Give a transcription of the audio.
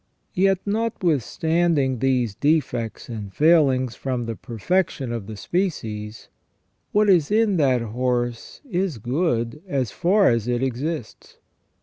Yet, notwithstanding these defects and failings from the perfection of the species, what is in that horse is good as far as it exists.